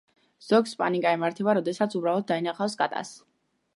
ზოგს პანიკა ემართება, როდესაც უბრალოდ დაინახავს კატას.